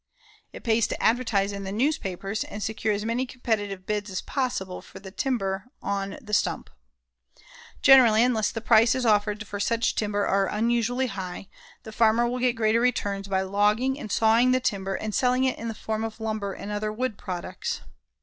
It pays to advertise in the newspapers and secure as many competitive bids as possible for the timber on the stump. Generally, unless the prices offered for such timber are unusually high, the farmer will get greater returns by logging and sawing the timber and selling it in the form of lumber and other wood products.